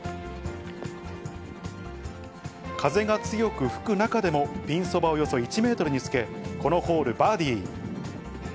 風が強く吹く中でも、ピンそばおよそ１メートルにつけ、このホール、バーディー。